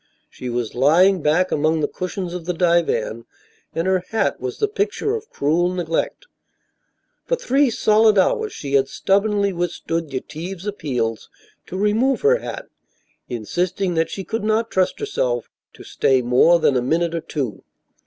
She was lying back among the cushions of the divan and her hat was the picture of cruel neglect. For three solid hours she had stubbornly withstood Yetive's appeals to remove her hat, insisting that she could not trust herself to stay more than a minute or two.